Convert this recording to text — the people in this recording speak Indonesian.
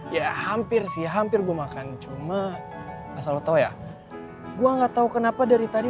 ya hampir sih hampir gue makan cuma asal lo tau ya gua nggak tahu kenapa dari tadi